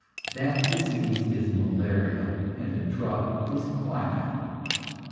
That disease is malaria, and the drug is quinine.